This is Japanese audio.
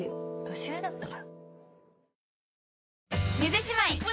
年上だったから。